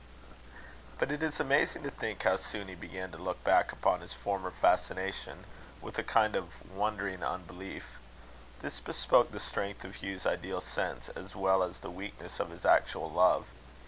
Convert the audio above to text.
But it is amazing to think how soon he began to look back upon his former fascination with a kind of wondering unbelief. This bespoke the strength of Hugh's ideal sense, as well as the weakness of his actual love.